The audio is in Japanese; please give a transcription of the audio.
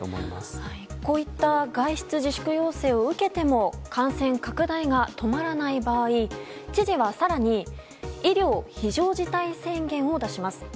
こういった外出自粛要請を受けても感染拡大が止まらない場合知事は更に医療非常事態宣言を出します。